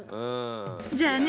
じゃあね